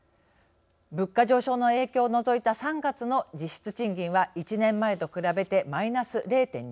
物価上昇の影響を除いた３月の実質賃金は１年前と比べてマイナス０．２％。